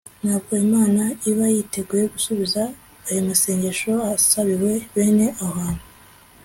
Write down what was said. ntabwo imana iba yiteguye gusubiza ayo masengesho asabiwe bene abo bantu